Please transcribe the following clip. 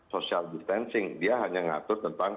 social distancing dia hanya mengatur tentang